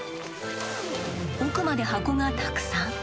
奥まで箱がたくさん。